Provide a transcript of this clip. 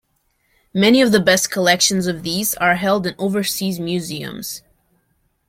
Many of the best collections of these are held in overseas museums.